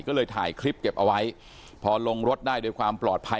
ก็เลยถ่ายคลิปเก็บเอาไว้พอลงรถได้โดยความปลอดภัย